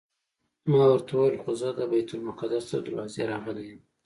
ما ورته وویل خو زه د بیت المقدس تر دروازې راغلی یم.